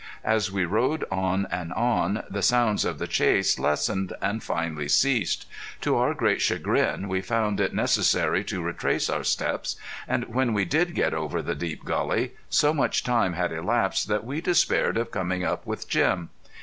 As we rode on and on, the sounds of the chase lessened, and finally ceased. To our great chagrin we found it necessary to retrace our steps, and when we did get over the deep gully, so much time had elapsed that we despaired of coming up with Jim.